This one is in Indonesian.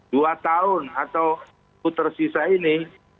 dua tahun atau putar sisa ini